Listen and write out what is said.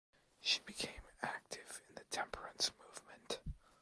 She became active in the temperance movement.